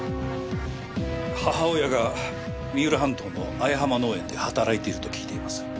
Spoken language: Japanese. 母親が三浦半島の彩浜農園で働いていると聞いています。